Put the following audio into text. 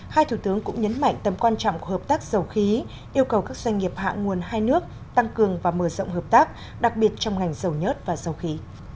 hai thủ tướng cũng nhấn mạnh tầm quan trọng của hợp tác dầu khí yêu cầu các doanh nghiệp hạ nguồn hai nước tăng cường và mở rộng hợp tác đặc biệt trong ngành dầu nhớt và dầu khí